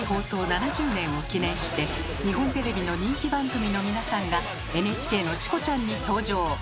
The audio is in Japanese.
７０年を記念して日本テレビの人気番組の皆さんがＮＨＫの「チコちゃん」に登場！